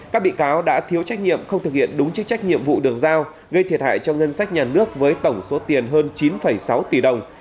các bị cáo đã thiếu trách nhiệm không thực hiện đúng chức trách nhiệm vụ được giao gây thiệt hại cho ngân sách nhà nước với tổng số tiền hơn chín sáu tỷ đồng